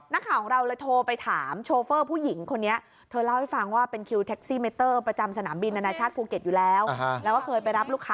นักข่าวของเราเลยโทรไปถามโชเฟอร์ผู้หญิงคนนี้